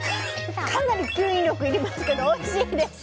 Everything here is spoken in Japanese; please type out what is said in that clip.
かなり吸引力がいりますけどおいしいです！